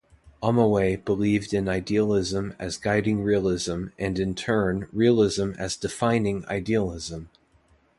Omowaye believed in idealism as guiding realism and in turn, realism as defining idealism.